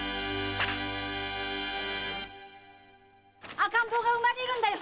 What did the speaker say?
赤ん坊が産まれるんだよ！